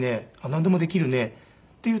「なんでもできるね」っていうとなんか。